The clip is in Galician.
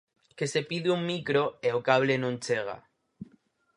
Que se pide un micro e o cable non chega.